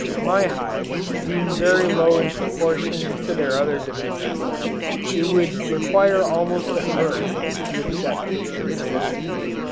My hives, being very low in proportion to their other dimensions, it would require almost a hurricane to upset them.